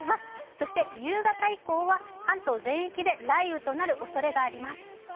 そして、夕方以降は関東全域で雷雨となるおそれがあります。